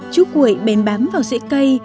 chú quệ bèn bám vào dãy cây